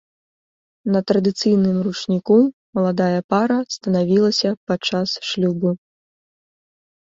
На традыцыйным ручніку маладая пара станавілася падчас шлюбу.